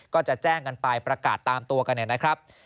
ก็จะแจ้งกันไปประกาศตามตัวกันเนี่ยนะครับ